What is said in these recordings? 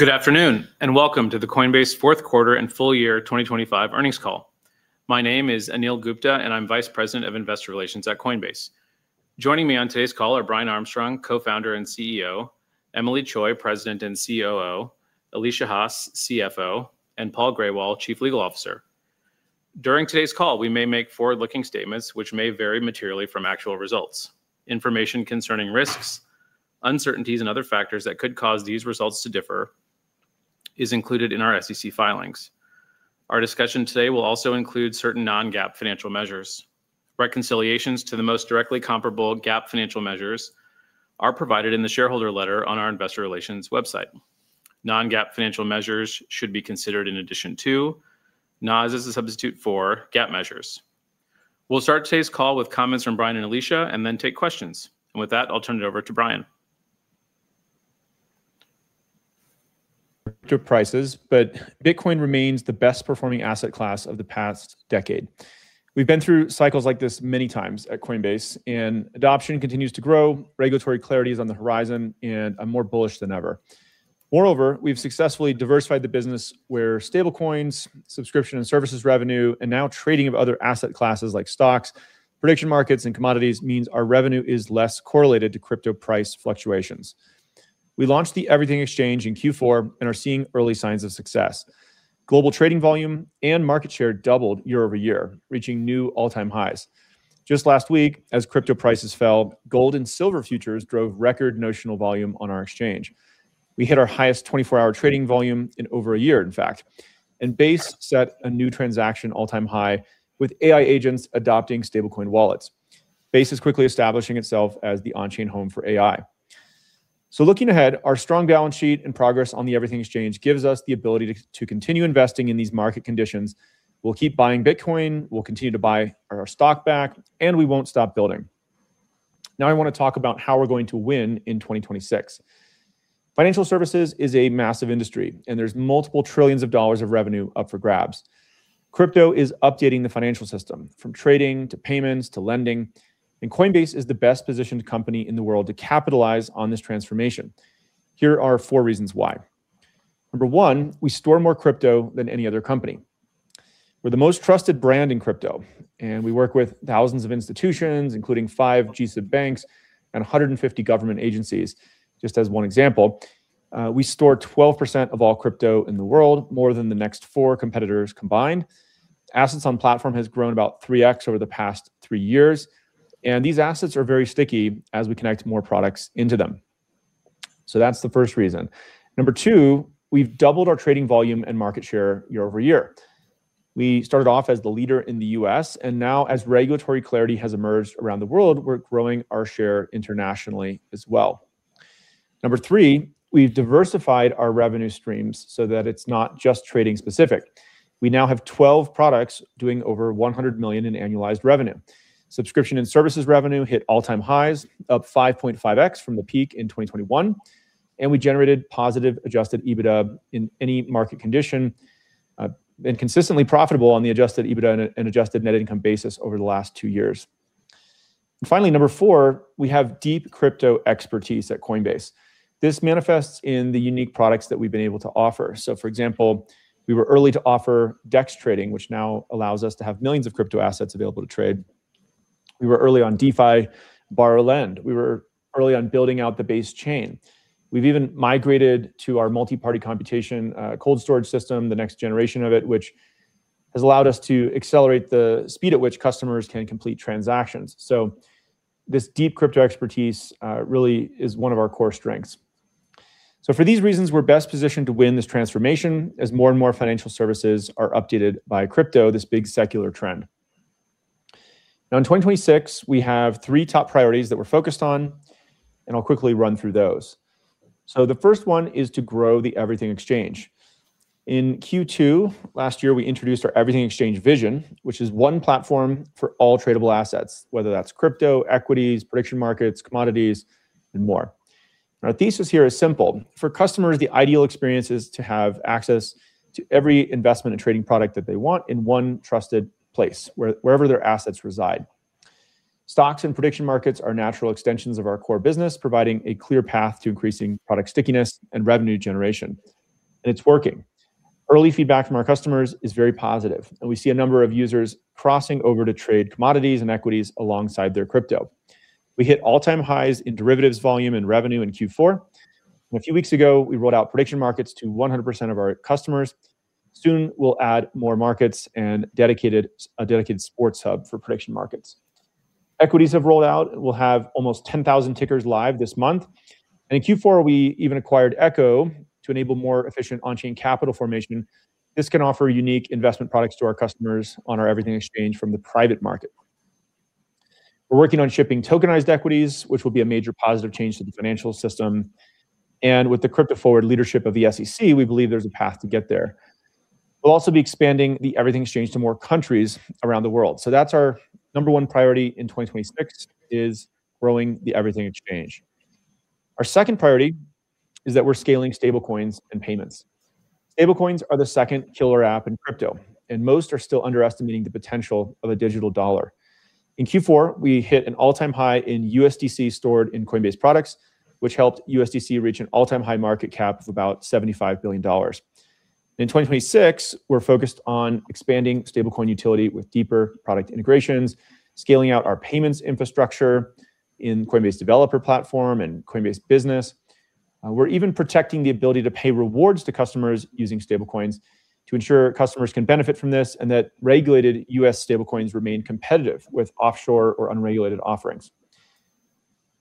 Good afternoon, and welcome to the Coinbase Fourth Quarter and Full Year 2025 Earnings Call. My name is Anil Gupta, and I'm Vice President of Investor Relations at Coinbase. Joining me on today's call are Brian Armstrong, Co-Founder and CEO; Emilie Choi, President and COO; Alesia Haas, CFO; and Paul Grewal, Chief Legal Officer. During today's call, we may make forward-looking statements which may vary materially from actual results. Information concerning risks, uncertainties, and other factors that could cause these results to differ is included in our SEC filings. Our discussion today will also include certain non-GAAP financial measures. Reconciliations to the most directly comparable GAAP financial measures are provided in the shareholder letter on our investor relations website. Non-GAAP financial measures should be considered in addition to, not as a substitute for, GAAP measures. We'll start today's call with comments from Brian and Alesia and then take questions. With that, I'll turn it over to Brian. ... crypto prices, but Bitcoin remains the best-performing asset class of the past decade. We've been through cycles like this many times at Coinbase, and adoption continues to grow, regulatory clarity is on the horizon, and I'm more bullish than ever. Moreover, we've successfully diversified the business where stablecoins, subscription and services revenue, and now trading of other asset classes like stocks, prediction markets, and commodities means our revenue is less correlated to crypto price fluctuations. We launched the Everything Exchange in Q4 and are seeing early signs of success. Global trading volume and market share doubled year-over-year, reaching new all-time highs. Just last week, as crypto prices fell, gold and silver futures drove record notional volume on our exchange. We hit our highest 24-hour trading volume in over a year, in fact, and Base set a new transaction all-time high with AI agents adopting stablecoin wallets. Base is quickly establishing itself as the on-chain home for AI. So looking ahead, our strong balance sheet and progress on the Everything Exchange gives us the ability to continue investing in these market conditions. We'll keep buying Bitcoin, we'll continue to buy our stock back, and we won't stop building. Now, I want to talk about how we're going to win in 2026. Financial services is a massive industry, and there's multiple trillions of dollars of revenue up for grabs. Crypto is updating the financial system, from trading, to payments, to lending, and Coinbase is the best-positioned company in the world to capitalize on this transformation. Here are four reasons why. Number one, we store more crypto than any other company. We're the most trusted brand in crypto, and we work with thousands of institutions, including five G-SIB banks and 150 government agencies. Just as one example, we store 12% of all crypto in the world, more than the next four competitors combined. Assets on Platform has grown about 3x over the past three years, and these assets are very sticky as we connect more products into them. So that's the first reason. Number two, we've doubled our trading volume and market share year-over-year. We started off as the leader in the U.S., and now, as regulatory clarity has emerged around the world, we're growing our share internationally as well. Number three, we've diversified our revenue streams so that it's not just trading-specific. We now have 12 products doing over $100 million in annualized revenue. Subscription and services revenue hit all-time highs, up 5.5x from the peak in 2021, and we generated positive adjusted EBITDA in any market condition, and consistently profitable on the adjusted EBITDA and, and adjusted net income basis over the last two years. And finally, number four, we have deep crypto expertise at Coinbase. This manifests in the unique products that we've been able to offer. So, for example, we were early to offer DEX trading, which now allows us to have millions of crypto assets available to trade. We were early on DeFi borrow lend. We were early on building out the Base chain. We've even migrated to our Multi-Party Computation cold storage system, the next generation of it, which has allowed us to accelerate the speed at which customers can complete transactions. So this deep crypto expertise really is one of our core strengths. So for these reasons, we're best positioned to win this transformation as more and more financial services are updated by crypto, this big secular trend. Now, in 2026, we have three top priorities that we're focused on, and I'll quickly run through those. So the first one is to grow the Everything Exchange. In Q2 last year, we introduced our Everything Exchange vision, which is one platform for all tradable assets, whether that's crypto, equities, prediction markets, commodities, and more. Our thesis here is simple: for customers, the ideal experience is to have access to every investment and trading product that they want in one trusted place, wherever their assets reside. Stocks and prediction markets are natural extensions of our core business, providing a clear path to increasing product stickiness and revenue generation, and it's working. Early feedback from our customers is very positive, and we see a number of users crossing over to trade commodities and equities alongside their crypto. We hit all-time highs in derivatives, volume, and revenue in Q4. A few weeks ago, we rolled out prediction markets to 100% of our customers. Soon, we'll add more markets and a dedicated sports hub for prediction markets. Equities have rolled out. We'll have almost 10,000 tickers live this month, and in Q4, we even acquired Echo to enable more efficient on-chain capital formation. This can offer unique investment products to our customers on our Everything Exchange from the private market. We're working on shipping tokenized equities, which will be a major positive change to the financial system, and with the crypto-forward leadership of the SEC, we believe there's a path to get there. We'll also be expanding the Everything Exchange to more countries around the world. So that's our number 1 priority in 2026, is growing the Everything Exchange. Our second priority is that we're scaling stable coins and payments. Stablecoins are the second killer app in crypto, and most are still underestimating the potential of a digital dollar. In Q4, we hit an all-time high in USDC stored in Coinbase products, which helped USDC reach an all-time high market cap of about $75 billion. In 2026, we're focused on expanding stablecoin utility with deeper product integrations, scaling out our payments infrastructure in Coinbase Developer Platform and Coinbase Business. We're even protecting the ability to pay rewards to customers using stablecoins to ensure customers can benefit from this and that regulated U.S. stablecoins remain competitive with offshore or unregulated offerings.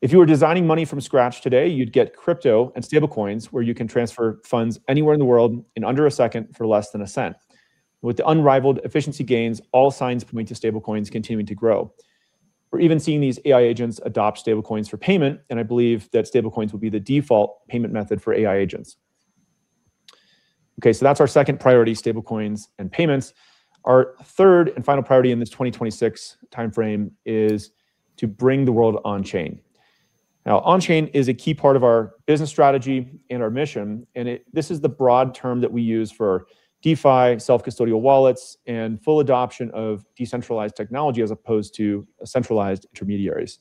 If you were designing money from scratch today, you'd get crypto and stablecoins, where you can transfer funds anywhere in the world in under a second for less than a cent. With the unrivaled efficiency gains, all signs point to stablecoins continuing to grow. We're even seeing these AI agents adopt stablecoins for payment, and I believe that stablecoins will be the default payment method for AI agents. Okay, so that's our second priority, stablecoins and payments. Our third and final priority in this 2026 timeframe is to bring the world on-chain. Now, on-chain is a key part of our business strategy and our mission, and it, this is the broad term that we use for DeFi, self-custodial wallets, and full adoption of decentralized technology as opposed to centralized intermediaries.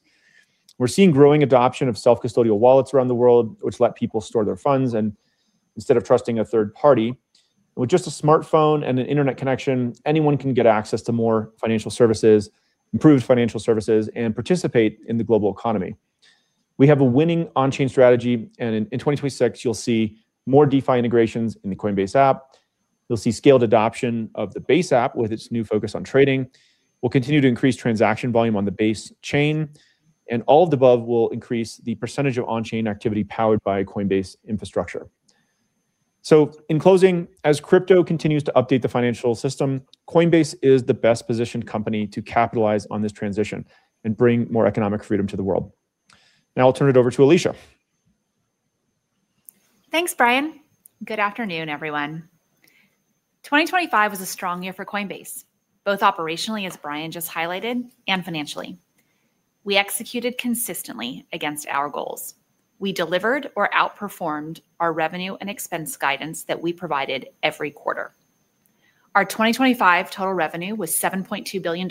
We're seeing growing adoption of self-custodial wallets around the world, which let people store their funds, and instead of trusting a third party, with just a smartphone and an internet connection, anyone can get access to more financial services, improved financial services, and participate in the global economy. We have a winning on-chain strategy, and in, in 2026, you'll see more DeFi integrations in the Coinbase app. You'll see scaled adoption of the Base app with its new focus on trading. We'll continue to increase transaction volume on the Base chain, and all of the above will increase the percentage of on-chain activity powered by Coinbase infrastructure. In closing, as crypto continues to update the financial system, Coinbase is the best-positioned company to capitalize on this transition and bring more economic freedom to the world. Now I'll turn it over to Alesia. Thanks, Brian. Good afternoon, everyone. 2025 was a strong year for Coinbase, both operationally, as Brian just highlighted, and financially. We executed consistently against our goals. We delivered or outperformed our revenue and expense guidance that we provided every quarter. Our 2025 total revenue was $7.2 billion, a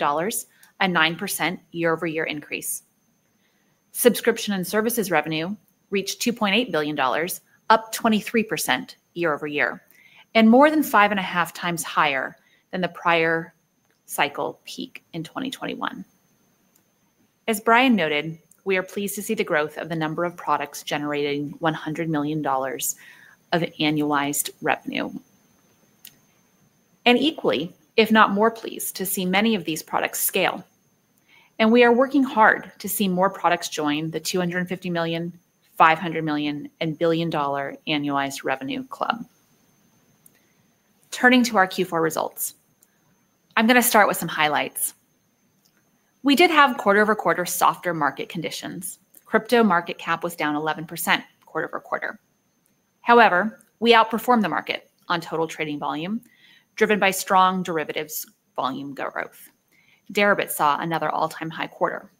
9% year-over-year increase. Subscription and services revenue reached $2.8 billion, up 23% year-over-year, and more than 5.5 times higher than the prior cycle peak in 2021. As Brian noted, we are pleased to see the growth of the number of products generating $100 million of annualized revenue, and equally, if not more pleased, to see many of these products scale. We are working hard to see more products join the $250 million, $500 million, and $1 billion annualized revenue club. Turning to our Q4 results, I'm going to start with some highlights. We did have quarter-over-quarter softer market conditions. Crypto market cap was down 11% quarter-over-quarter. However, we outperformed the market on total trading volume, driven by strong derivatives volume growth. Deribit saw another all-time high quarter.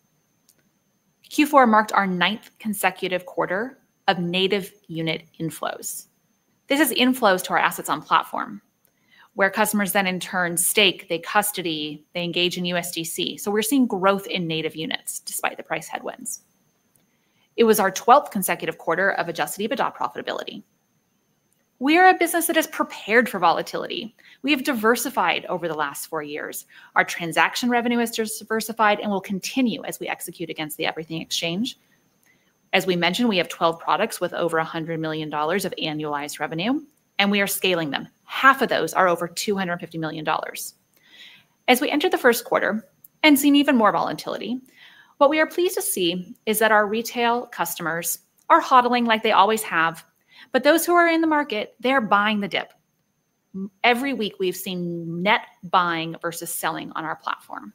Q4 marked our ninth consecutive quarter of native unit inflows. This is inflows to our Assets on Platform, where customers then in turn stake, they custody, they engage in USDC. So we're seeing growth in native units despite the price headwinds. It was our twelfth consecutive quarter of Adjusted EBITDA profitability. We are a business that is prepared for volatility. We have diversified over the last four years. Our transaction revenue is diversified and will continue as we execute against the Everything Exchange. As we mentioned, we have 12 products with over $100 million of annualized revenue, and we are scaling them. Half of those are over $250 million. As we enter the first quarter and see even more volatility, what we are pleased to see is that our retail customers are HODLing like they always have, but those who are in the market, they are buying the dip. Every week, we've seen net buying versus selling on our platform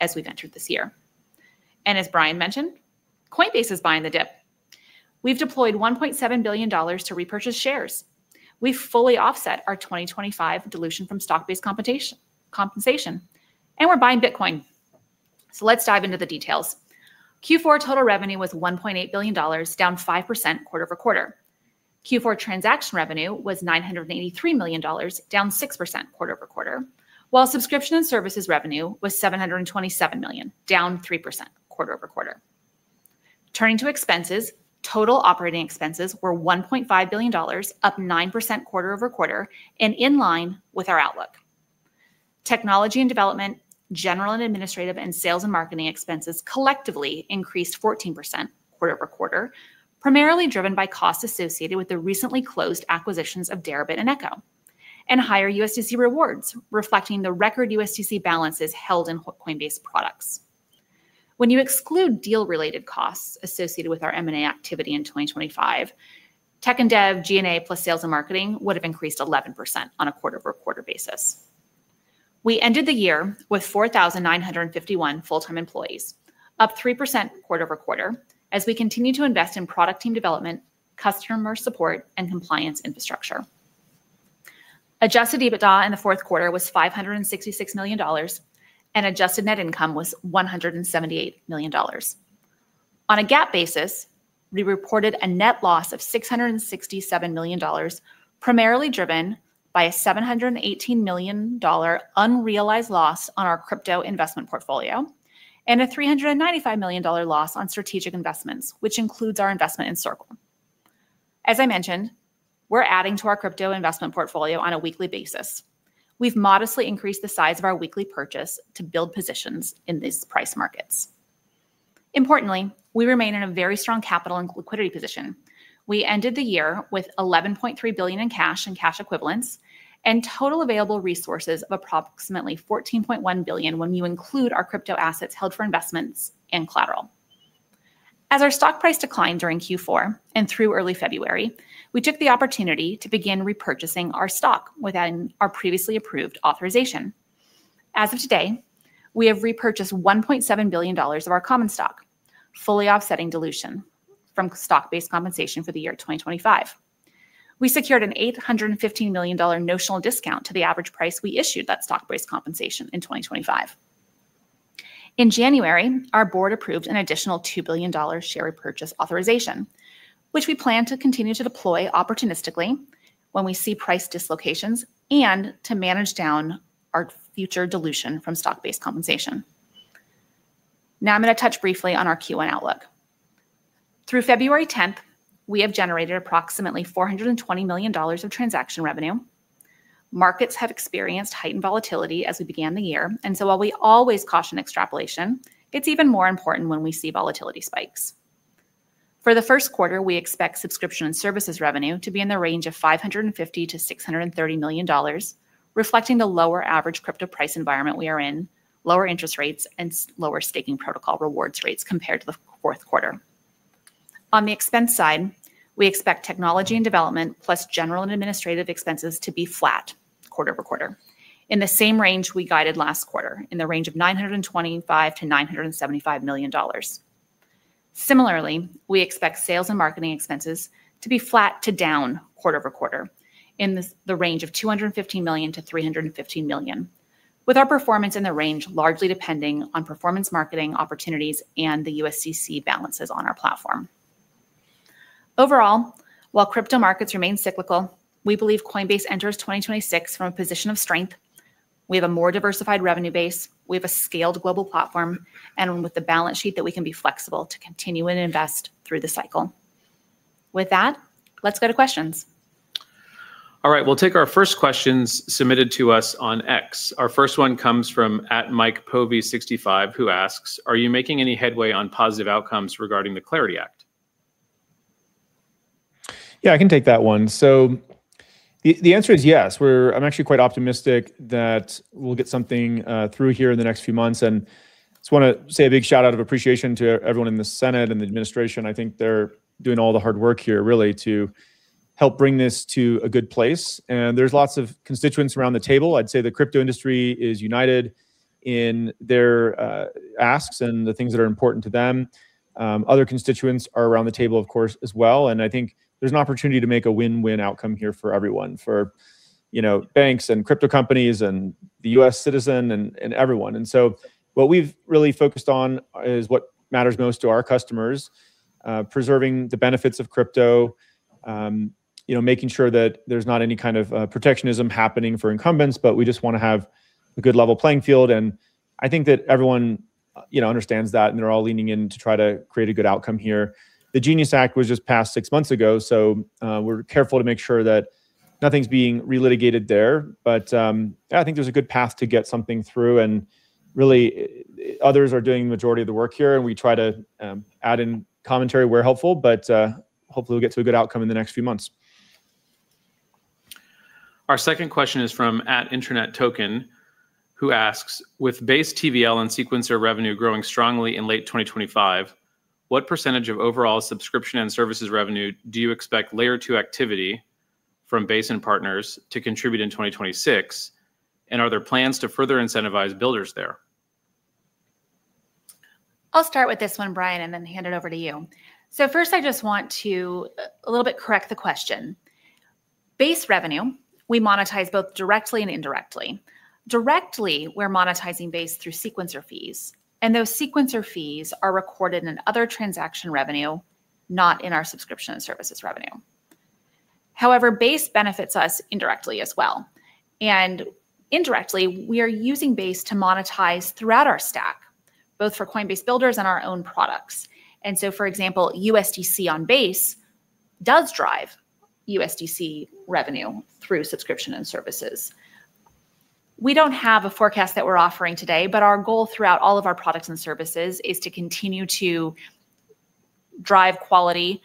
as we've entered this year. As Brian mentioned, Coinbase is buying the dip. We've deployed $1.7 billion to repurchase shares. We've fully offset our 2025 dilution from stock-based compensation, and we're buying Bitcoin. Let's dive into the details. Q4 total revenue was $1.8 billion, down 5% quarter-over-quarter. Q4 transaction revenue was $983 million, down 6% quarter-over-quarter, while subscription and services revenue was $727 million, down 3% quarter-over-quarter. Turning to expenses, total operating expenses were $1.5 billion, up 9% quarter-over-quarter and in line with our outlook. Technology and development, general and administrative, and sales and marketing expenses collectively increased 14% quarter-over-quarter, primarily driven by costs associated with the recently closed acquisitions of Deribit and Echo, and higher USDC rewards, reflecting the record USDC balances held in Coinbase products. When you exclude deal-related costs associated with our M&A activity in 2025, tech and dev, G&A, plus sales and marketing would have increased 11% on a quarter-over-quarter basis. We ended the year with 4,951 full-time employees, up 3% quarter-over-quarter, as we continue to invest in product team development, customer support, and compliance infrastructure. Adjusted EBITDA in the fourth quarter was $566 million, and adjusted net income was $178 million. On a GAAP basis, we reported a net loss of $667 million, primarily driven by a $718 million unrealized loss on our crypto investment portfolio, and a $395 million loss on strategic investments, which includes our investment in Circle. As I mentioned, we're adding to our crypto investment portfolio on a weekly basis. We've modestly increased the size of our weekly purchase to build positions in these price markets. Importantly, we remain in a very strong capital and liquidity position. We ended the year with $11.3 billion in cash and cash equivalents, and total available resources of approximately $14.1 billion when you include our crypto assets held for investments and collateral. As our stock price declined during Q4 and through early February, we took the opportunity to begin repurchasing our stock within our previously approved authorization. As of today, we have repurchased $1.7 billion of our common stock, fully offsetting dilution from stock-based compensation for the year 2025. We secured an $815 million notional discount to the average price we issued that stock-based compensation in 2025. In January, our board approved an additional $2 billion share repurchase authorization, which we plan to continue to deploy opportunistically when we see price dislocations and to manage down our future dilution from stock-based compensation. Now, I'm gonna touch briefly on our Q1 outlook. Through February 10th, we have generated approximately $420 million of transaction revenue. Markets have experienced heightened volatility as we began the year, and so while we always caution extrapolation, it's even more important when we see volatility spikes. For the first quarter, we expect subscription and services revenue to be in the range of $550 million-$630 million, reflecting the lower average crypto price environment we are in, lower interest rates, and lower staking protocol reward rates compared to the fourth quarter. On the expense side, we expect technology and development, plus general and administrative expenses to be flat quarter-over-quarter, in the same range we guided last quarter, in the range of $925 million-$975 million. Similarly, we expect sales and marketing expenses to be flat to down quarter-over-quarter in the range of $215 million-$315 million, with our performance in the range largely depending on performance marketing opportunities and the USDC balances on our platform. Overall, while crypto markets remain cyclical, we believe Coinbase enters 2026 from a position of strength. We have a more diversified revenue base, we have a scaled global platform, and with the balance sheet that we can be flexible to continue and invest through the cycle. With that, let's go to questions. All right, we'll take our first questions submitted to us on X. Our first one comes from @MikePovey65, who asks: "Are you making any headway on positive outcomes regarding the CLARITY Act? Yeah, I can take that one. So the answer is yes. I'm actually quite optimistic that we'll get something through here in the next few months. And just wanna say a big shout-out of appreciation to everyone in the Senate and the administration. I think they're doing all the hard work here, really, to help bring this to a good place, and there's lots of constituents around the table. I'd say the crypto industry is united in their asks and the things that are important to them. Other constituents are around the table, of course, as well, and I think there's an opportunity to make a win-win outcome here for everyone, for, you know, banks and crypto companies and the U.S. citizen and, and everyone. And so what we've really focused on is what matters most to our customers, preserving the benefits of crypto, you know, making sure that there's not any kind of protectionism happening for incumbents, but we just wanna have a good level playing field. And I think that everyone, you know, understands that, and they're all leaning in to try to create a good outcome here. The GENIUS Act was just passed six months ago, so we're careful to make sure that nothing's being relitigated there. But yeah, I think there's a good path to get something through, and really, others are doing the majority of the work here, and we try to add in commentary where helpful, but hopefully, we'll get to a good outcome in the next few months. Our second question is from @InternetToken, who asks: "With Base TVL and Sequencer revenue growing strongly in late 2025, what percentage of overall subscription and services revenue do you expect Layer 2 activity from Base and partners to contribute in 2026? And are there plans to further incentivize builders there? I'll start with this one, Brian, and then hand it over to you. So first, I just want to a little bit correct the question. Base revenue, we monetize both directly and indirectly. Directly, we're monetizing Base through sequencer fees, and those sequencer fees are recorded in other transaction revenue, not in our subscription and services revenue. However, Base benefits us indirectly as well, and indirectly, we are using Base to monetize throughout our stack, both for Coinbase builders and our own products. And so, for example, USDC on Base does drive USDC revenue through subscription and services. We don't have a forecast that we're offering today, but our goal throughout all of our products and services is to continue to drive quality,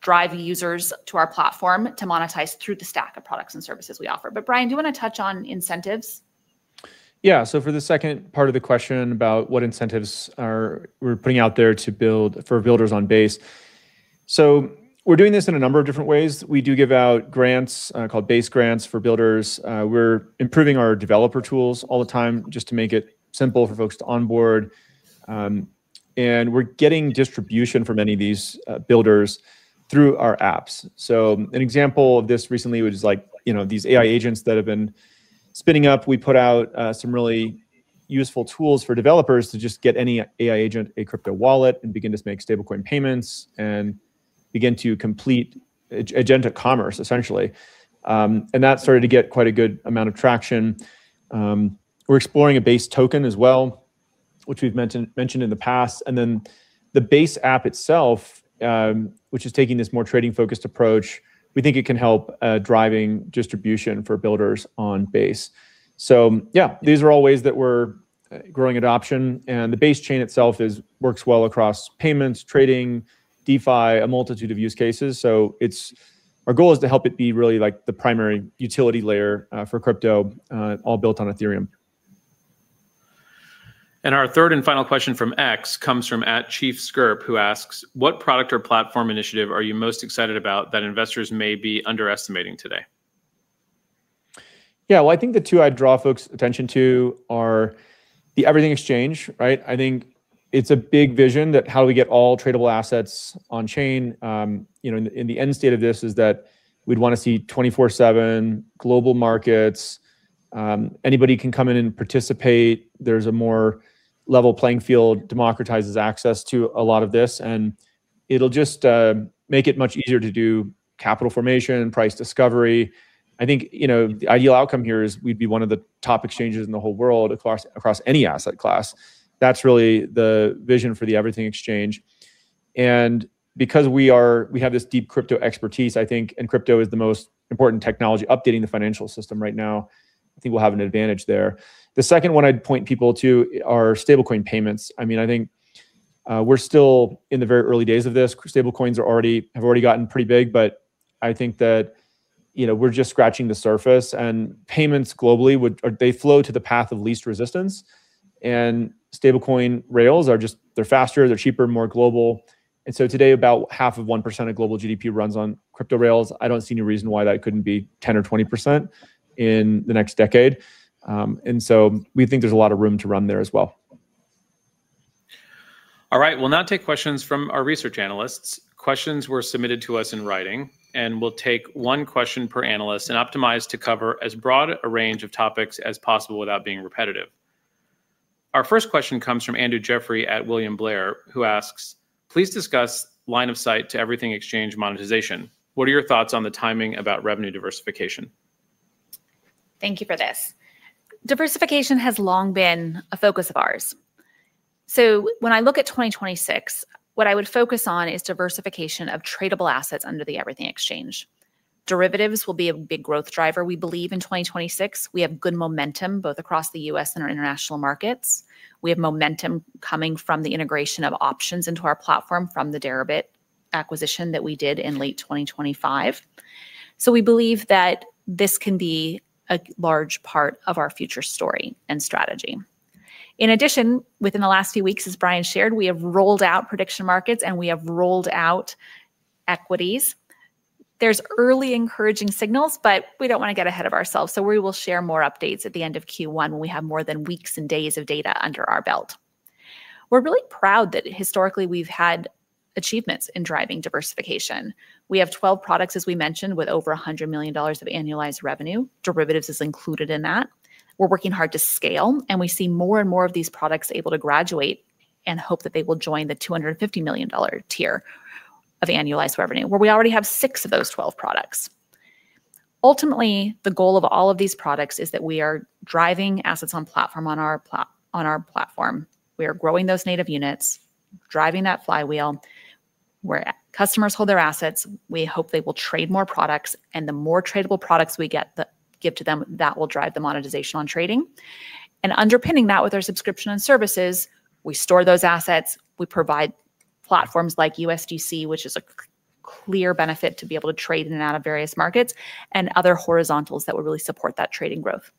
drive users to our platform to monetize through the stack of products and services we offer. But Brian, do you wanna touch on incentives? Yeah, so for the second part of the question about what incentives are we're putting out there to build for builders on Base, so we're doing this in a number of different ways. We do give out grants called Base Grants for builders. We're improving our developer tools all the time just to make it simple for folks to onboard. And we're getting distribution from many of these builders through our apps. So an example of this recently, which is like, you know, these AI agents that have been spinning up, we put out some really useful tools for developers to just get any AI agent, a crypto wallet, and begin to make stablecoin payments and begin to complete agent of commerce, essentially. And that started to get quite a good amount of traction. We're exploring a Base token as well, which we've mentioned in the past. And then the Base app itself, which is taking this more trading-focused approach, we think it can help driving distribution for builders on Base. So yeah, these are all ways that we're growing adoption, and the Base chain itself works well across payments, trading, DeFi, a multitude of use cases. So it's our goal is to help it be really, like, the primary utility layer for crypto, all built on Ethereum. Our third and final question from X comes from @chiefskirp, who asks: "What product or platform initiative are you most excited about that investors may be underestimating today? Yeah, well, I think the two I'd draw folks' attention to are the Everything Exchange, right? I think it's a big vision that how do we get all tradable assets on chain, you know, and the end state of this is that we'd wanna see 24/7 global markets, anybody can come in and participate. There's a more level playing field, democratizes access to a lot of this, and it'll just make it much easier to do capital formation and price discovery. I think, you know, the ideal outcome here is we'd be one of the top exchanges in the whole world across any asset class. That's really the vision for the Everything Exchange. Because we have this deep crypto expertise, I think, and crypto is the most important technology updating the financial system right now, I think we'll have an advantage there. The second one I'd point people to are Stablecoin payments. I mean, I think, we're still in the very early days of this. Stablecoins have already gotten pretty big, but I think that, you know, we're just scratching the surface, and payments globally would, they flow to the path of least resistance, and Stablecoin rails are just... they're faster, they're cheaper, more global. And so today, about 0.5% of global GDP runs on crypto rails. I don't see any reason why that couldn't be 10% or 20% in the next decade. And so we think there's a lot of room to run there as well. All right, we'll now take questions from our research analysts. Questions were submitted to us in writing, and we'll take one question per analyst and optimize to cover as broad a range of topics as possible without being repetitive. Our first question comes from Andrew Jeffrey at William Blair, who asks: "Please discuss line of sight to Everything Exchange monetization. What are your thoughts on the timing about revenue diversification? Thank you for this. Diversification has long been a focus of ours. So when I look at 2026, what I would focus on is diversification of tradable assets under the Everything Exchange. Derivatives will be a big growth driver, we believe, in 2026. We have good momentum, both across the U.S. and our international markets. We have momentum coming from the integration of options into our platform from the Deribit acquisition that we did in late 2025. So we believe that this can be a large part of our future story and strategy. In addition, within the last few weeks, as Brian shared, we have rolled out prediction markets, and we have rolled out equities. There's early encouraging signals, but we don't wanna get ahead of ourselves, so we will share more updates at the end of Q1, when we have more than weeks and days of data under our belt. We're really proud that historically we've had achievements in driving diversification. We have 12 products, as we mentioned, with over $100 million of annualized revenue. Derivatives is included in that. We're working hard to scale, and we see more and more of these products able to graduate and hope that they will join the $250 million tier of annualized revenue, where we already have six of those 12 products. Ultimately, the goal of all of these products is that we are driving assets on platform on our platform. We are growing those native units, driving that flywheel, where customers hold their assets. We hope they will trade more products, and the more tradable products we get the give to them, that will drive the monetization on trading. Underpinning that with our subscription and services, we store those assets, we provide platforms like USDC, which is a clear benefit to be able to trade in and out of various markets, and other horizontals that would really support that trading growth.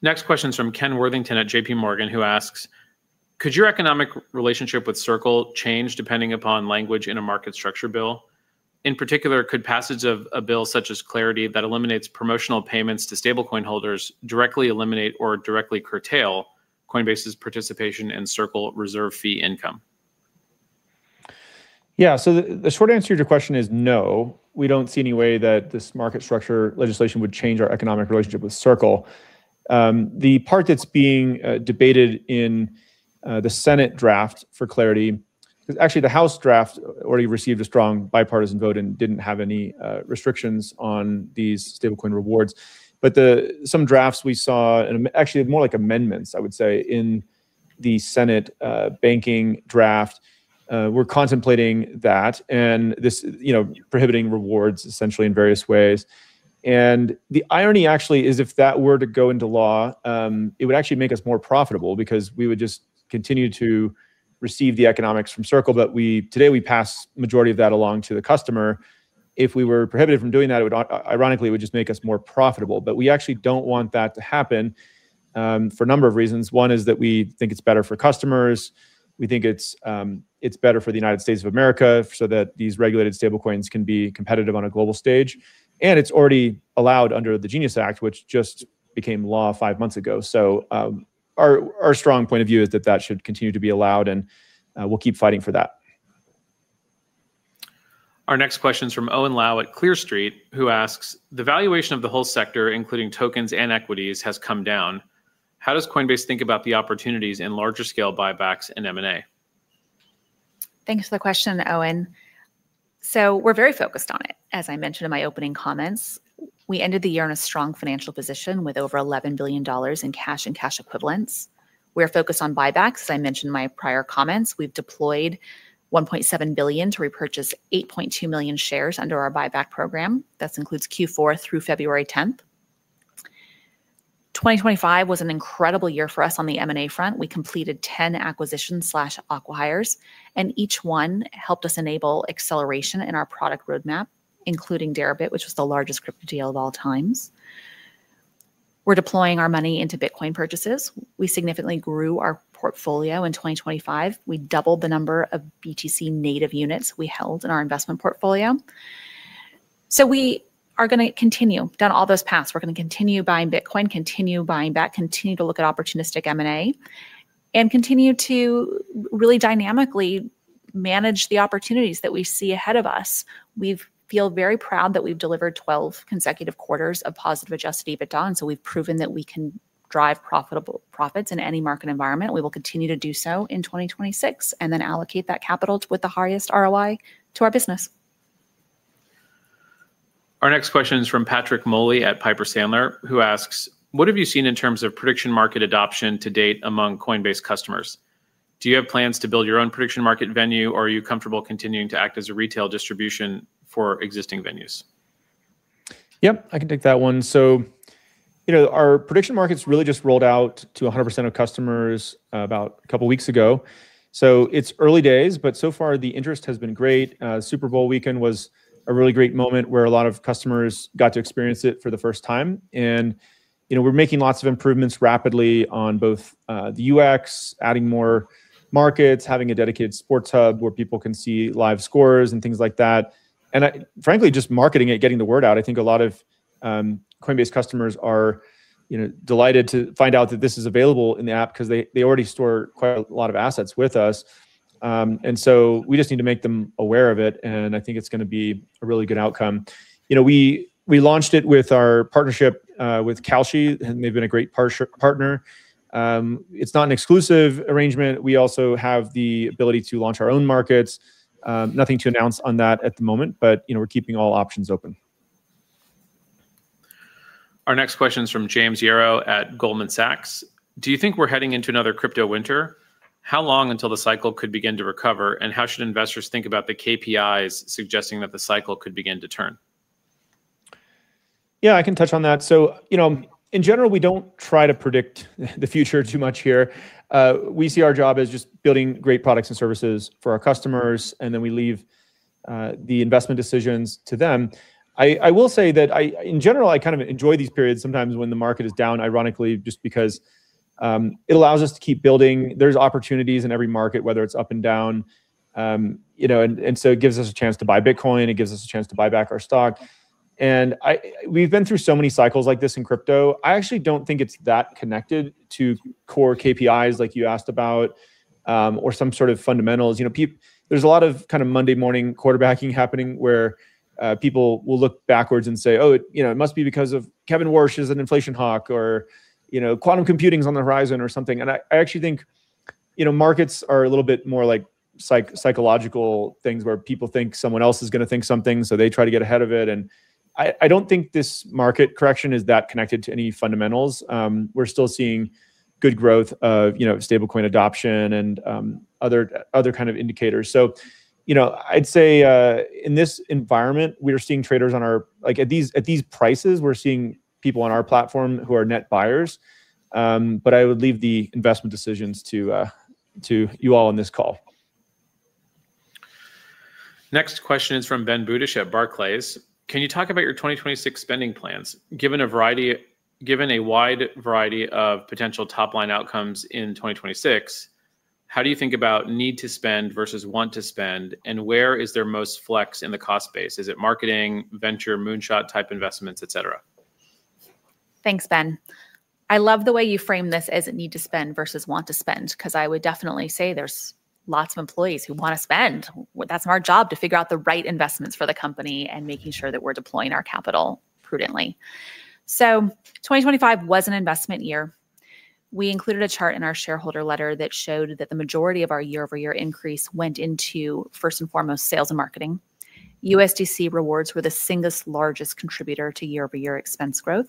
Next question is from Ken Worthington at JP Morgan, who asks: "Could your economic relationship with Circle change depending upon language in a market structure bill? In particular, could passage of a bill such as Clarity, that eliminates promotional payments to stablecoin holders, directly eliminate or directly curtail Coinbase's participation in Circle reserve fee income? Yeah, so the short answer to your question is no, we don't see any way that this market structure legislation would change our economic relationship with Circle. The part that's being debated in the Senate draft for CLARITY. Actually, the House draft already received a strong bipartisan vote and didn't have any restrictions on these stablecoin rewards. But some drafts we saw, and actually, more like amendments, I would say, in the Senate banking draft, we're contemplating that, and this, you know, prohibiting rewards essentially in various ways. And the irony actually is, if that were to go into law, it would actually make us more profitable because we would just continue to receive the economics from Circle, but today, we pass majority of that along to the customer. If we were prohibited from doing that, it would ironically, it would just make us more profitable. But we actually don't want that to happen, for a number of reasons. One is that we think it's better for customers, we think it's better for the United States of America, so that these regulated stablecoins can be competitive on a global stage, and it's already allowed under the GENIUS Act, which just became law five months ago. So, our strong point of view is that that should continue to be allowed, and we'll keep fighting for that. ... Our next question is from Owen Lau at Clear Street, who asks: "The valuation of the whole sector, including tokens and equities, has come down. How does Coinbase think about the opportunities in larger scale buybacks and M&A? Thanks for the question, Owen. So we're very focused on it, as I mentioned in my opening comments. We ended the year in a strong financial position, with over $11 billion in cash and cash equivalents. We are focused on buybacks, as I mentioned in my prior comments. We've deployed $1.7 billion to repurchase 8.2 million shares under our buyback program. That includes Q4 through February 10, 2025 was an incredible year for us on the M&A front. We completed 10 acquisitions/acqui-hires, and each one helped us enable acceleration in our product roadmap, including Deribit, which was the largest crypto deal of all time. We're deploying our money into Bitcoin purchases. We significantly grew our portfolio in 2025. We doubled the number of BTC native units we held in our investment portfolio. So we are gonna continue down all those paths. We're gonna continue buying Bitcoin, continue buying back, continue to look at opportunistic M&A, and continue to really dynamically manage the opportunities that we see ahead of us. We feel very proud that we've delivered 12 consecutive quarters of positive adjusted EBITDA, and so we've proven that we can drive profitable profits in any market environment. We will continue to do so in 2026, and then allocate that capital with the highest ROI to our business. Our next question is from Patrick Moley at Piper Sandler, who asks: "What have you seen in terms of prediction market adoption to date among Coinbase customers? Do you have plans to build your own prediction market venue, or are you comfortable continuing to act as a retail distribution for existing venues? Yep, I can take that one. So, you know, our Prediction Markets really just rolled out to 100% of customers about a couple of weeks ago, so it's early days, but so far the interest has been great. Super Bowl weekend was a really great moment where a lot of customers got to experience it for the first time, and, you know, we're making lots of improvements rapidly on both, the UX, adding more markets, having a dedicated sports hub where people can see live scores and things like that. And I frankly, just marketing it, getting the word out, I think a lot of Coinbase customers are, you know, delighted to find out that this is available in the app because they, they already store quite a lot of assets with us. And so we just need to make them aware of it, and I think it's gonna be a really good outcome. You know, we launched it with our partnership with Kalshi, and they've been a great partner. It's not an exclusive arrangement. We also have the ability to launch our own markets. Nothing to announce on that at the moment, but, you know, we're keeping all options open. Our next question is from James Yaro at Goldman Sachs: "Do you think we're heading into another crypto winter? How long until the cycle could begin to recover, and how should investors think about the KPIs suggesting that the cycle could begin to turn? Yeah, I can touch on that. So, you know, in general, we don't try to predict the future too much here. We see our job as just building great products and services for our customers, and then we leave the investment decisions to them. I will say that in general, I kind of enjoy these periods sometimes when the market is down, ironically, just because it allows us to keep building. There's opportunities in every market, whether it's up and down. You know, and so it gives us a chance to buy Bitcoin, it gives us a chance to buy back our stock. And we've been through so many cycles like this in crypto. I actually don't think it's that connected to core KPIs, like you asked about, or some sort of fundamentals. You know, people, there's a lot of kind of Monday morning quarterbacking happening, where people will look backwards and say, "Oh, you know, it must be because of Kevin Warsh is an inflation hawk," or, you know, "Quantum computing is on the horizon," or something. And I, I actually think, you know, markets are a little bit more like psychological things, where people think someone else is gonna think something, so they try to get ahead of it. And I, I don't think this market correction is that connected to any fundamentals. We're still seeing good growth of, you know, stablecoin adoption and other, other kind of indicators. So, you know, I'd say, in this environment, we are seeing traders on our—like, at these, at these prices, we're seeing people on our platform who are net buyers. But I would leave the investment decisions to you all on this call. Next question is from Ben Budish at Barclays: "Can you talk about your 2026 spending plans? Given a wide variety of potential top-line outcomes in 2026, how do you think about need to spend versus want to spend, and where is there most flex in the cost base? Is it marketing, venture, moonshot-type investments, et cetera? Thanks, Ben. I love the way you frame this as a need to spend versus want to spend, because I would definitely say there's lots of employees who want to spend. Well, that's our job, to figure out the right investments for the company and making sure that we're deploying our capital prudently. 2025 was an investment year. We included a chart in our shareholder letter that showed that the majority of our year-over-year increase went into, first and foremost, sales and marketing. USDC rewards were the single largest contributor to year-over-year expense growth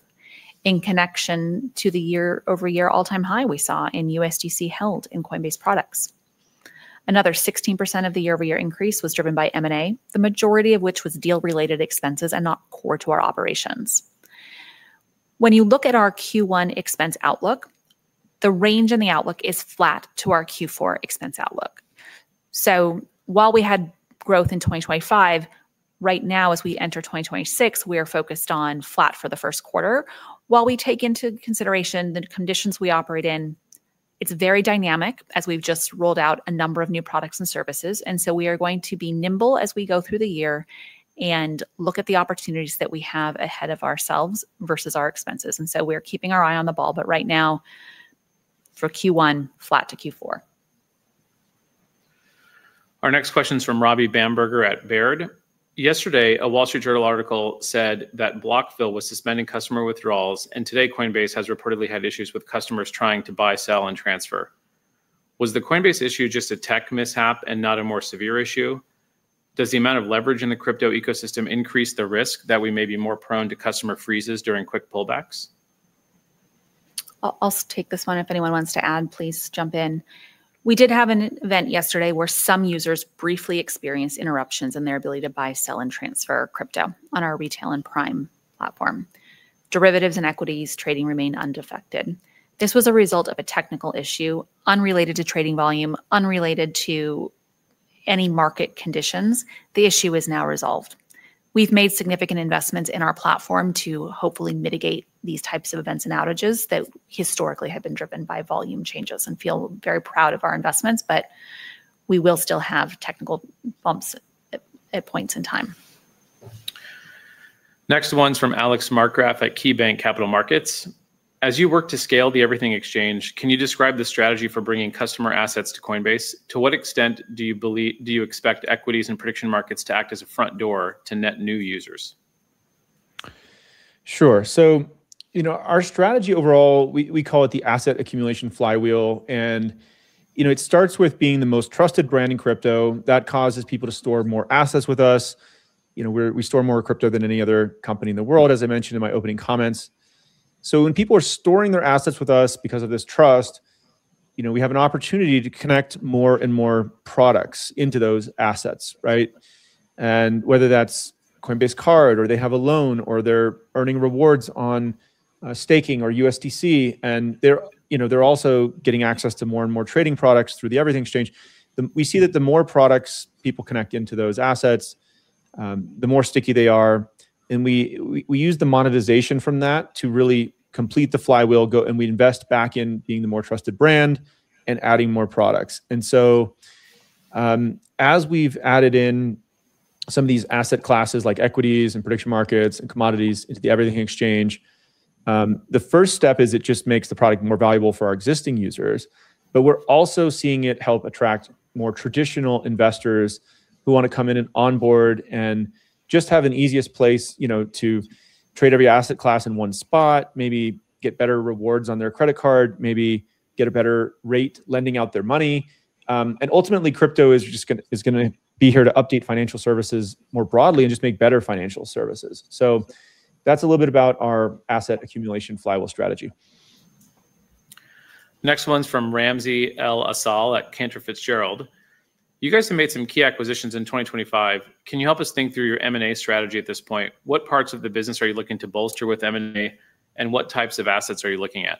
in connection to the year-over-year all-time high we saw in USDC held in Coinbase products. Another 16% of the year-over-year increase was driven by M&A, the majority of which was deal-related expenses and not core to our operations. When you look at our Q1 expense outlook, the range in the outlook is flat to our Q4 expense outlook. So while we had growth in 2025, right now, as we enter 2026, we are focused on flat for the first quarter. While we take into consideration the conditions we operate in, it's very dynamic, as we've just rolled out a number of new products and services, and so we are going to be nimble as we go through the year and look at the opportunities that we have ahead of ourselves versus our expenses. And so we are keeping our eye on the ball, but right now for Q1, flat to Q4. Our next question is from Robbie Bamberger at Baird. Yesterday, a Wall Street Journal article said that BlockFi was suspending customer withdrawals, and today, Coinbase has reportedly had issues with customers trying to buy, sell, and transfer. Was the Coinbase issue just a tech mishap and not a more severe issue? Does the amount of leverage in the crypto ecosystem increase the risk that we may be more prone to customer freezes during quick pullbacks? I'll take this one. If anyone wants to add, please jump in. We did have an event yesterday where some users briefly experienced interruptions in their ability to buy, sell, and transfer crypto on our retail and prime platform. Derivatives and equities trading remained unaffected. This was a result of a technical issue unrelated to trading volume, unrelated to any market conditions. The issue is now resolved. We've made significant investments in our platform to hopefully mitigate these types of events and outages that historically have been driven by volume changes, and feel very proud of our investments, but we will still have technical bumps at points in time. Next one's from Alex Markgraff at KeyBanc Capital Markets. As you work to scale the Everything Exchange, can you describe the strategy for bringing customer assets to Coinbase? To what extent do you believe- do you expect equities and Prediction Markets to act as a front door to net new users? Sure. So, you know, our strategy overall, we call it the asset accumulation flywheel. And, you know, it starts with being the most trusted brand in crypto. That causes people to store more assets with us. You know, we store more crypto than any other company in the world, as I mentioned in my opening comments. So when people are storing their assets with us because of this trust, you know, we have an opportunity to connect more and more products into those assets, right? And whether that's Coinbase Card, or they have a loan, or they're earning rewards on staking or USDC, and they're, you know, also getting access to more and more trading products through the Everything Exchange. We see that the more products people connect into those assets, the more sticky they are. And we use the monetization from that to really complete the flywheel go, and we invest back in being the more trusted brand and adding more products. And so, as we've added in some of these asset classes, like equities and prediction markets and commodities, into the Everything Exchange, the first step is it just makes the product more valuable for our existing users. But we're also seeing it help attract more traditional investors who want to come in and onboard and just have an easiest place, you know, to trade every asset class in one spot, maybe get better rewards on their credit card, maybe get a better rate lending out their money. And ultimately, crypto is just gonna be here to update financial services more broadly and just make better financial services. That's a little bit about our asset accumulation flywheel strategy. Next one's from Ramsey El-Assal at Cantor Fitzgerald. You guys have made some key acquisitions in 2025. Can you help us think through your M&A strategy at this point? What parts of the business are you looking to bolster with M&A, and what types of assets are you looking at?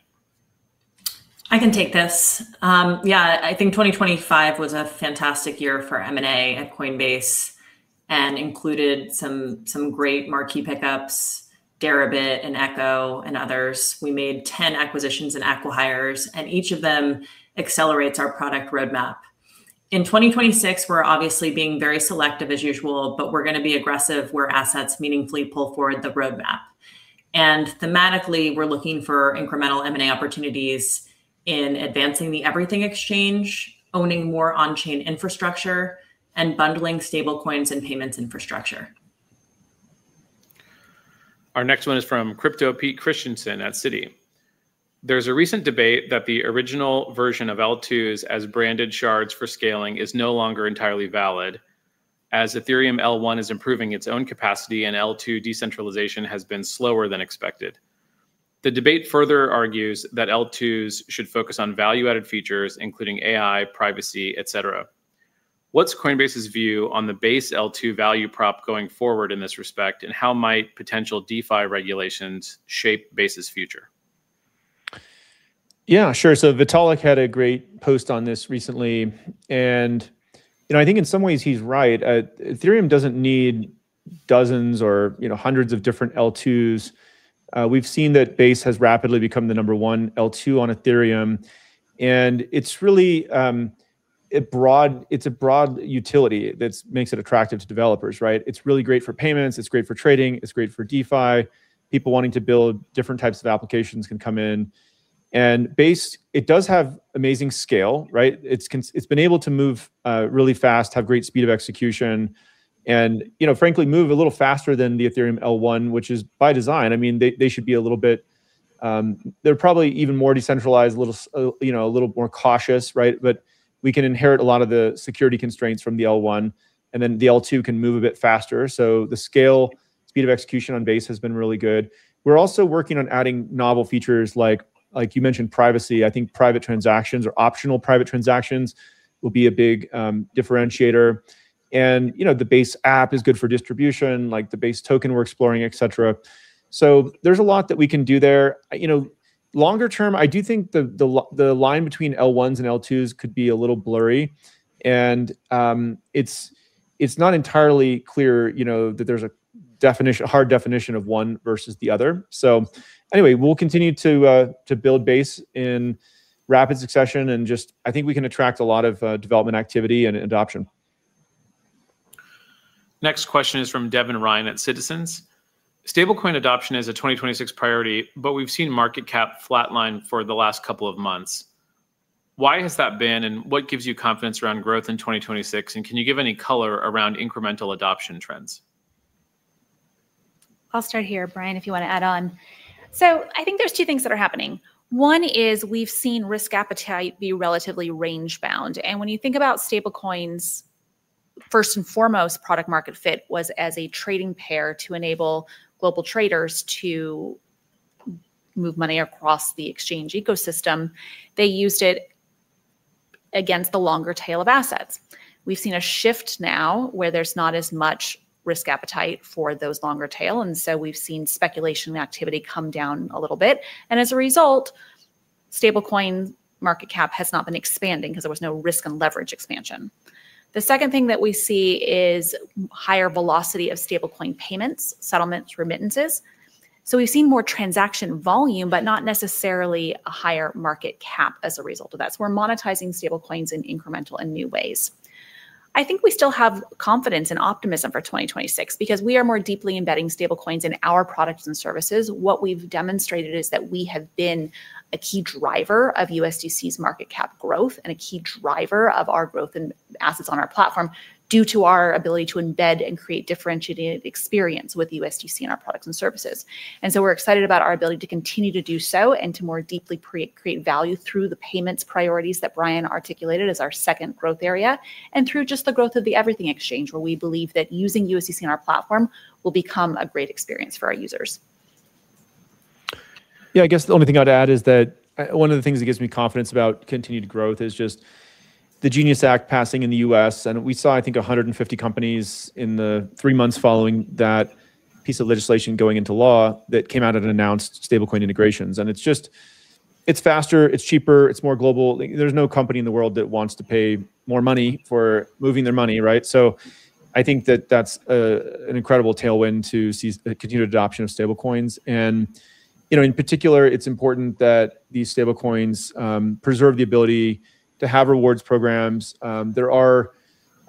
I can take this. Yeah, I think 2025 was a fantastic year for M&A at Coinbase and included some great marquee pickups, Deribit and Echo and others. We made 10 acquisitions and acqui-hires, and each of them accelerates our product roadmap. In 2026, we're obviously being very selective as usual, but we're gonna be aggressive where assets meaningfully pull forward the roadmap. And thematically, we're looking for incremental M&A opportunities in advancing the Everything Exchange, owning more on-chain infrastructure, and bundling stablecoins and payments infrastructure. Our next one is from Crypto Pete Christiansen at Citi. There's a recent debate that the original version of L2s as branded shards for scaling is no longer entirely valid, as Ethereum L1 is improving its own capacity, and L2 decentralization has been slower than expected. The debate further argues that L2s should focus on value-added features, including AI, privacy, et cetera. What's Coinbase's view on the Base L2 value prop going forward in this respect, and how might potential DeFi regulations shape Base's future? Yeah, sure. So Vitalik had a great post on this recently, and, you know, I think in some ways he's right. Ethereum doesn't need dozens or, you know, hundreds of different L2s. We've seen that Base has rapidly become the number one L2 on Ethereum, and it's really a broad utility that's makes it attractive to developers, right? It's really great for payments, it's great for trading, it's great for DeFi. People wanting to build different types of applications can come in. And Base, it does have amazing scale, right? It's been able to move really fast, have great speed of execution, and, you know, frankly, move a little faster than the Ethereum L1, which is by design. I mean, they should be a little bit... They're probably even more decentralized, a little, you know, a little more cautious, right? But we can inherit a lot of the security constraints from the L1, and then the L2 can move a bit faster. So the scale, speed of execution on Base has been really good. We're also working on adding novel features like, like you mentioned, privacy. I think private transactions or optional private transactions will be a big differentiator. And, you know, the Base app is good for distribution, like the Base token we're exploring, et cetera. So there's a lot that we can do there. You know, longer term, I do think the line between L1s and L2s could be a little blurry, and it's not entirely clear, you know, that there's a definition, a hard definition of one versus the other. So anyway, we'll continue to build Base in rapid succession and just... I think we can attract a lot of development activity and adoption.... Next question is from Devin Ryan at Citizens. Stablecoin adoption is a 2026 priority, but we've seen market cap flatline for the last couple of months. Why has that been, and what gives you confidence around growth in 2026? And can you give any color around incremental adoption trends? I'll start here, Brian, if you wanna add on. So I think there's two things that are happening. One is we've seen risk appetite be relatively range-bound. And when you think about stablecoins, first and foremost, product market fit was as a trading pair to enable global traders to move money across the exchange ecosystem. They used it against the longer tail of assets. We've seen a shift now where there's not as much risk appetite for those longer tail, and so we've seen speculation activity come down a little bit. And as a result, stablecoin market cap has not been expanding because there was no risk and leverage expansion. The second thing that we see is higher velocity of stablecoin payments, settlements, remittances. So we've seen more transaction volume, but not necessarily a higher market cap as a result of that. So we're monetizing stablecoins in incremental and new ways. I think we still have confidence and optimism for 2026 because we are more deeply embedding stablecoins in our products and services. What we've demonstrated is that we have been a key driver of USDC's market cap growth and a key driver of our growth in assets on our platform, due to our ability to embed and create differentiated experience with USDC in our products and services. And so we're excited about our ability to continue to do so and to more deeply create, create value through the payments priorities that Brian articulated as our second growth area, and through just the growth of the Everything Exchange, where we believe that using USDC on our platform will become a great experience for our users. Yeah, I guess the only thing I'd add is that, one of the things that gives me confidence about continued growth is just the GENIUS Act passing in the U.S. We saw, I think, 150 companies in the three months following that piece of legislation going into law that came out and announced stablecoin integrations, and it's just, it's faster, it's cheaper, it's more global. There's no company in the world that wants to pay more money for moving their money, right? So I think that that's an incredible tailwind to see the continued adoption of stablecoins. And, you know, in particular, it's important that these stablecoins preserve the ability to have rewards programs. There are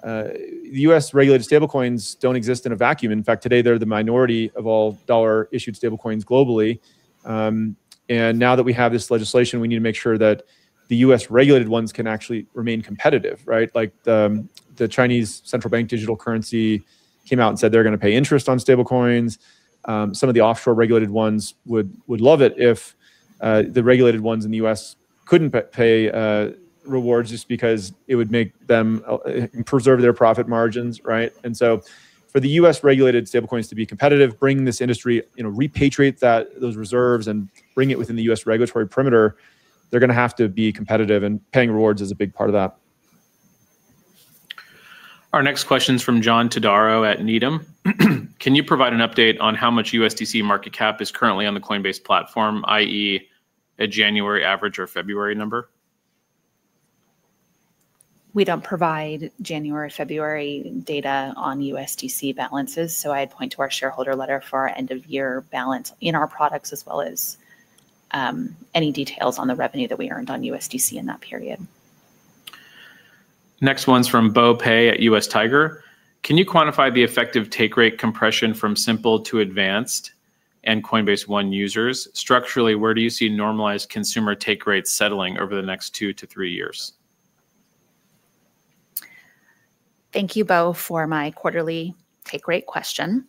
U.S.-regulated stablecoins don't exist in a vacuum. In fact, today, they're the minority of all dollar-issued stablecoins globally. And now that we have this legislation, we need to make sure that the U.S.-regulated ones can actually remain competitive, right? Like, the Chinese central bank digital currency came out and said they're gonna pay interest on stablecoins. Some of the offshore regulated ones would love it if the regulated ones in the U.S. couldn't pay rewards just because it would make them preserve their profit margins, right? And so for the U.S.-regulated stablecoins to be competitive, bring this industry, you know, repatriate those reserves and bring it within the U.S. regulatory perimeter, they're gonna have to be competitive, and paying rewards is a big part of that. Our next question is from John Todaro at Needham. Can you provide an update on how much USDC market cap is currently on the Coinbase platform, i.e., a January average or February number? We don't provide January, February data on USDC balances, so I'd point to our shareholder letter for our end-of-year balance in our products, as well as, any details on the revenue that we earned on USDC in that period. Next one's from Bo Pei at US Tiger. Can you quantify the effective take rate compression from simple to advanced and Coinbase One users? Structurally, where do you see normalized consumer take rates settling over the next two to three years? Thank you, Bo, for my quarterly take rate question.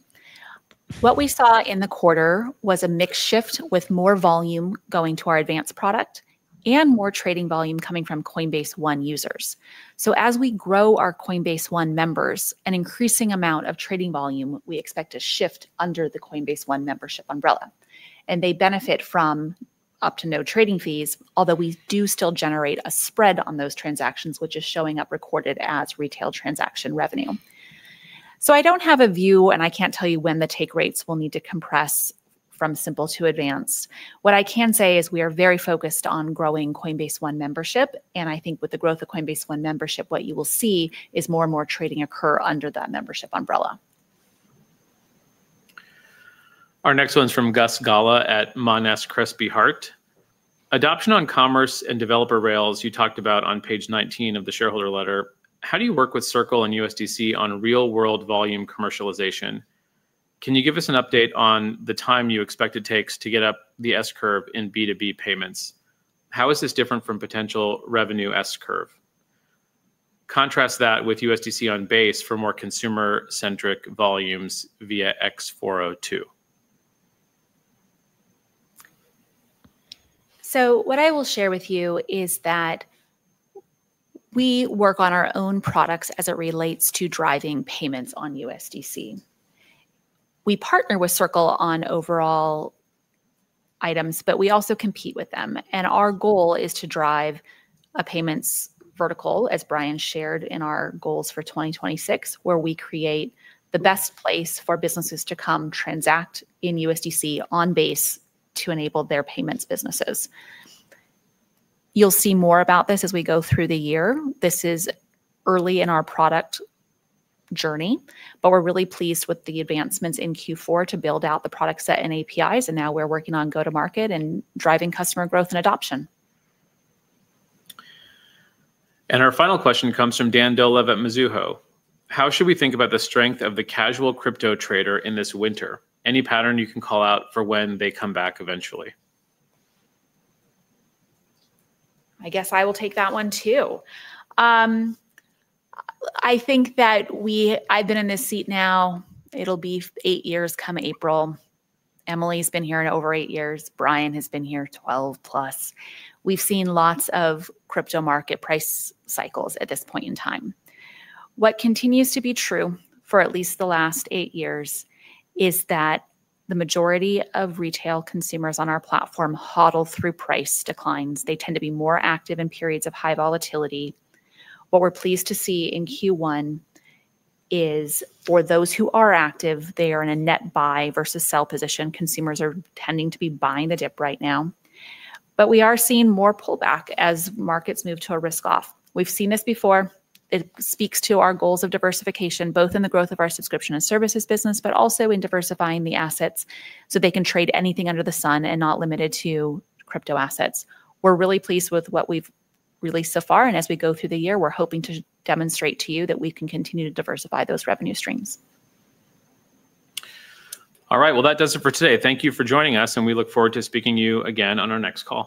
What we saw in the quarter was a mix shift with more volume going to our advanced product and more trading volume coming from Coinbase One users. So as we grow our Coinbase One members, an increasing amount of trading volume, we expect to shift under the Coinbase One membership umbrella. And they benefit from up to no trading fees, although we do still generate a spread on those transactions, which is showing up recorded as retail transaction revenue. So I don't have a view, and I can't tell you when the take rates will need to compress from simple to advanced. What I can say is we are very focused on growing Coinbase One membership, and I think with the growth of Coinbase One membership, what you will see is more and more trading occur under that membership umbrella. Our next one's from Gus Gala at Monness, Crespi, Hardt. Adoption on commerce and developer rails, you talked about on page 19 of the shareholder letter. How do you work with Circle and USDC on real-world volume commercialization? Can you give us an update on the time you expect it takes to get up the S-curve in B2B payments? How is this different from potential revenue S-curve? Contrast that with USDC on Base for more consumer-centric volumes via x402. So what I will share with you is that we work on our own products as it relates to driving payments on USDC. We partner with Circle on overall items, but we also compete with them, and our goal is to drive a payments vertical, as Brian shared in our goals for 2026, where we create the best place for businesses to come transact in USDC on Base to enable their payments businesses. You'll see more about this as we go through the year. This is early in our product journey, but we're really pleased with the advancements in Q4 to build out the product set and APIs, and now we're working on go-to-market and driving customer growth and adoption. Our final question comes from Dan Dolev at Mizuho. How should we think about the strength of the casual crypto trader in this winter? Any pattern you can call out for when they come back eventually? I guess I will take that one, too. I think that we—I've been in this seat now, it'll be eight years come April. Emily's been here over eight years. Brian has been here 12+. We've seen lots of crypto market price cycles at this point in time. What continues to be true for at least the last eight years is that the majority of retail consumers on our platform HODL through price declines. They tend to be more active in periods of high volatility. What we're pleased to see in Q1 is for those who are active, they are in a net buy versus sell position. Consumers are tending to be buying the dip right now. But we are seeing more pullback as markets move to a risk-off. We've seen this before. It speaks to our goals of diversification, both in the growth of our subscription and services business, but also in diversifying the assets, so they can trade anything under the sun and not limited to crypto assets. We're really pleased with what we've released so far, and as we go through the year, we're hoping to demonstrate to you that we can continue to diversify those revenue streams. All right, well, that does it for today. Thank you for joining us, and we look forward to speaking to you again on our next call.